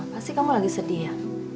pasti kamu lagi sedih ya